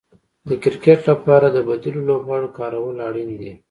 د کرکټ لپاره د بديلو لوبغاړو کارول اړين دي.